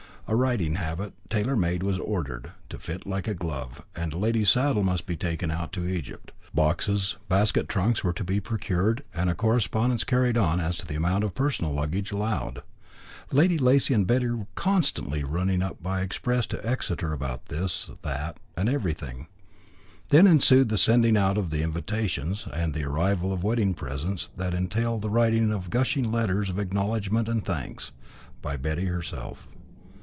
A riding habit, tailor made, was ordered, to fit like a glove, and a lady's saddle must be taken out to Egypt. Boxes, basket trunks were to be procured, and a correspondence carried on as to the amount of personal luggage allowed. Lady Lacy and Betty were constantly running up by express to Exeter about this, that, and everything. Then ensued the sending out of the invitations, and the arrival of wedding presents, that entailed the writing of gushing letters of acknowledgment and thanks, by Betty herself.